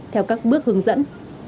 theo các bước hướng dẫn